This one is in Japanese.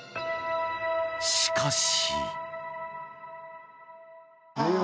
しかし。